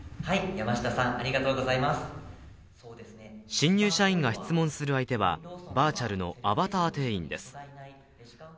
新入社員が質問する相手はバーチャルのアバター店員です。